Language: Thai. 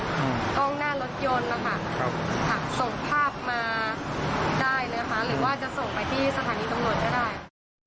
กล้องหน้ารถยนต์ค่ะส่งภาพมาได้เลยค่ะ